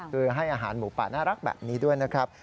คือให้อาหารหมูป่าน่ารักแบบนี้ด้วยนะครับ